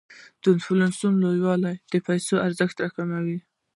د انفلاسیون لوړوالی د پیسو ارزښت کموي.